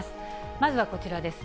まずはこちらです。